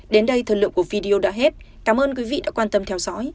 đến đây thời lượng của video đã hết cảm ơn quý vị đã quan tâm theo dõi